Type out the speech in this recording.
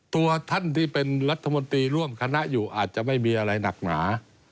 ตัวท่านที่เป็นรัฐมนตรีร่วมคณะอยู่อาจจะไม่มีอะไรหนักหนา